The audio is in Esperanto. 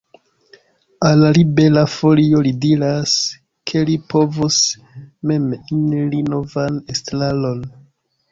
Al Libera Folio li diras, ke li povus mem eniri novan estraron.